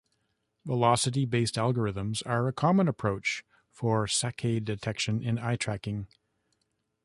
Velocity-based algorithms are a common approach for saccade detection in eye tracking.